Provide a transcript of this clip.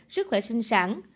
sức khỏe sinh sản